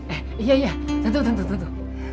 eh iya iya tentu tentu